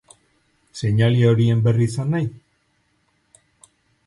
Seinale horien berri izan nahi?